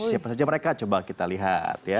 siapa saja mereka coba kita lihat ya